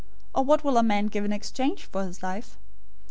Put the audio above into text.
Or what will a man give in exchange for his life?